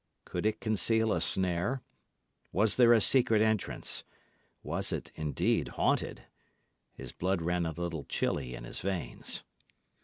Could it conceal a snare? Was there a secret entrance? Was it, indeed, haunted? His blood ran a little chilly in his veins.